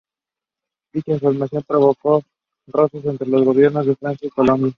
Dicha información provocó roces entre los gobiernos de Francia y Colombia.